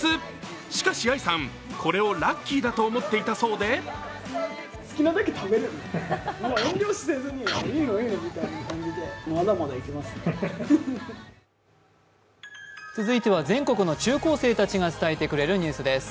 しかしＡＩさん、これをラッキーだと思っていたそうで続いては全国の中高生たちが伝えてくれるニュースです。